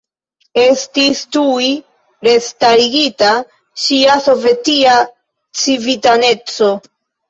Estis tuj restarigita ŝia sovetia civitaneco.